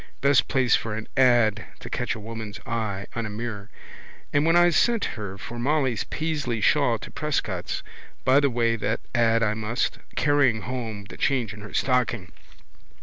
Best place for an ad to catch a woman's eye on a mirror. And when I sent her for Molly's Paisley shawl to Prescott's by the way that ad I must, carrying home the change in her stocking!